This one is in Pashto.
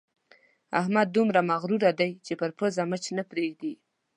احمد دومره مغروره دی چې پر پزه مچ نه پرېږدي.